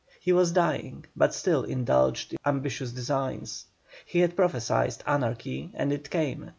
He was dying, but still indulged ambitious designs. He had prophesied anarchy and it came.